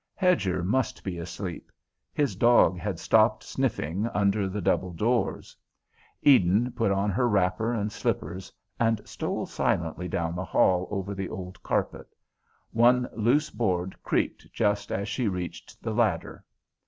Hedger must be asleep; his dog had stopped sniffing under the double doors. Eden put on her wrapper and slippers and stole softly down the hall over the old carpet; one loose board creaked just as she reached the ladder.